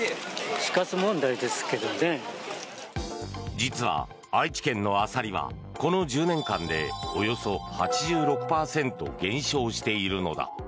実は、愛知県のアサリはこの１０年間でおよそ８６％減少しているのだ。